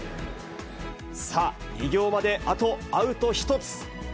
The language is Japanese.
さあ、偉業まであとアウト１つ。